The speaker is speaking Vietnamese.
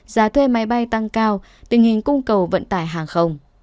giá thuê máy bay tăng cao tình hình cung cầu vận tải hàng không